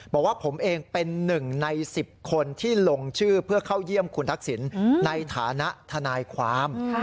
บอกว่าผมเองเป็นหนึ่งใน๑๐คนที่ลงชื่อเพื่อเข้าเยี่ยมคุณทักษิณในฐานะทนายความ